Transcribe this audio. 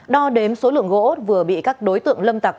đo đếm số lượng gỗ vừa bị các đối tượng lâm tặc